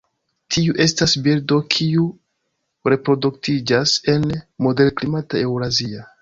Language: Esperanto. Tiu estas birdo kiu reproduktiĝas en moderklimata Eŭrazio.